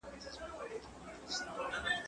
زه ليک لوستی دی؟